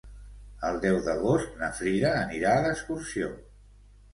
El deu d'agost na Frida anirà d'excursió.